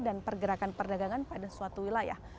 dan pergerakan perdagangan di wilayah